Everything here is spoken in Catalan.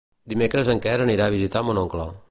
Dimecres en Quer anirà a visitar mon oncle.